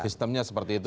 sistemnya seperti itu